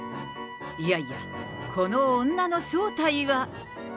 いやいや、この女の正体は。